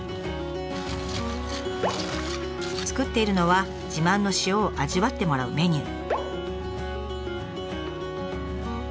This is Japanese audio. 作っているのは自慢の塩を味わってもらうメニュー。